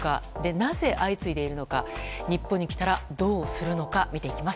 なぜ相次いでいるのか日本に来たらどうするのか見ていきます。